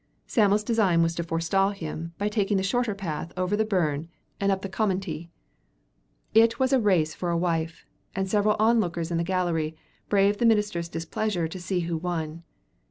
Sam'l's design was to forestall him by taking the shorter path over the burn and up the commonty. It was a race for a wife, and several onlookers in the gallery braved the minister's displeasure to see who won.